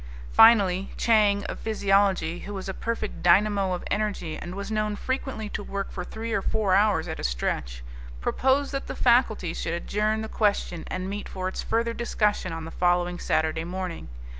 Finally, Chang of Physiology, who was a perfect dynamo of energy and was known frequently to work for three or four hours at a stretch, proposed that the faculty should adjourn the question and meet for its further discussion on the following Saturday morning.